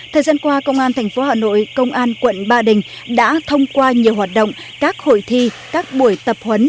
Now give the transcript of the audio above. thời gian qua công an tp hà nội công an quận ba đình đã thông qua nhiều hoạt động các hội thi các buổi tập huấn